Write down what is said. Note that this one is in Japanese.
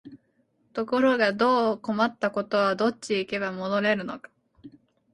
ところがどうも困ったことは、どっちへ行けば戻れるのか、